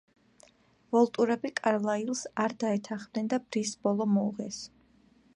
ვოლტურები კარლაილს არ დაეთანხმნენ და ბრის ბოლო მოუღეს.